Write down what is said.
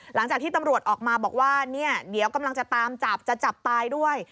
หลังจากที่ตำรวจออกมาบอกว่าเนี่ยเดี๋ยวกำลังจะตามจับจะจับตายด้วย